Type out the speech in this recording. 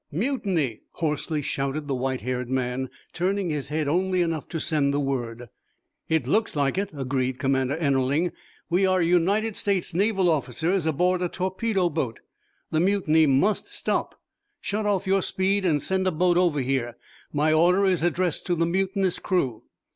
"Mutiny!" hoarsely shouted the white haired man, turning his head only enough to send the word. "It looks like it," agreed Commander Ennerling. "We are United States Naval officers, aboard a torpedo boat. The mutiny must stop. Shut off your speed, and send a boat over here. My order is addressed to the mutinous crew."